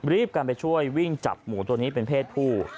รีบกันไปช่วยวิ่งจับหมูตัวนี้เป็นเพศผู้